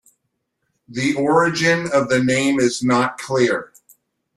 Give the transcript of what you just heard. The origin of the name is not clear.